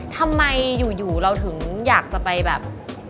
ทำไมอยู่เราถึงอยากจะไปแบบ